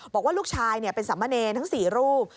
บอกว่าลูกชายเป็นสามเณรทั้ง๔รูป